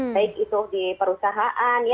baik itu di perusahaan